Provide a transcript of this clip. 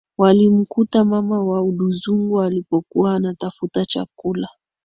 walimkuta mama wa Udzungwa alipokuwa anatafuta chakula